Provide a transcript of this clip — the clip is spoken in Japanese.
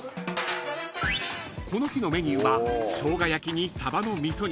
［この日のメニューはしょうが焼きにサバの味噌煮］